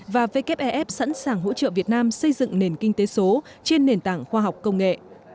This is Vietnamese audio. và wef sẵn sàng hỗ trợ việt nam xây dựng nền kinh tế số trên nền tảng khoa học công nghệ